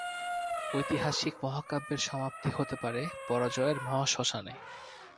ঐতিহাসিক মহাকাব্যের সমাপ্তি হতে পারে পরাজয়ের মহাশ্মশানে।